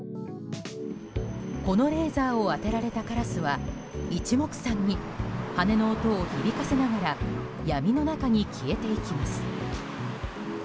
このレーザーを当てられたカラスは一目散に羽の音を響かせながら闇の中に消えていきます。